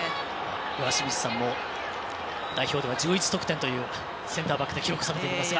岩清水さんも代表では１１得点をセンターバックで記録されていますが。